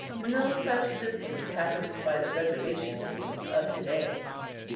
No such system is practised by the reservation Indians of to day.